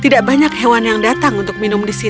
tidak banyak hewan yang datang untuk mengejarmu